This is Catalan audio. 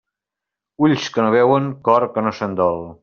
Ulls que no veuen, cor que no se'n dol.